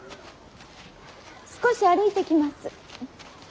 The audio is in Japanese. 少し歩いてきます。